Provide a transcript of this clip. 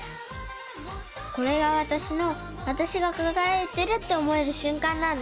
これがわたしのわたしがかがやいてるって思えるしゅんかんなんだ！